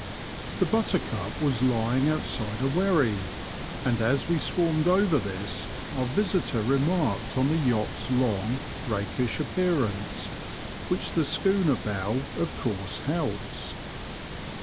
The Buttercup was lying outside a wherry, and as we^ swarmed over this, our visitor remarked on the yacht's long, rakish appearance, which the schooner bow of course helps.